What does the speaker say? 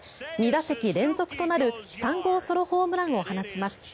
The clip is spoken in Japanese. ２打席連続となる３号ソロホームランを放ちます。